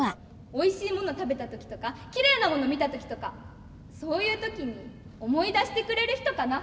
おいしいもの食べたときとかきれいなものみたときとかそういう時に思い出してくれる人かな。